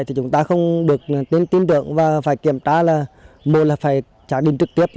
thì chúng ta không được tin tưởng và phải kiểm tra là một là phải sáng đình trực tiếp